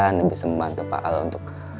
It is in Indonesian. anda bisa membantu pak al untuk